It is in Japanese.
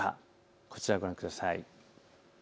こちらをご覧ください。